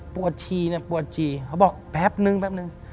ชีเนี่ยปวดฉี่เขาบอกแป๊บนึงแป๊บนึง